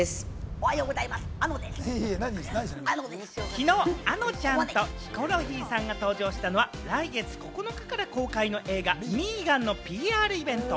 昨日、あのちゃんとヒコロヒーさんが登場したのは、来月９日から公開の映画『Ｍ３ＧＡＮ／ミーガン』のＰＲイベント。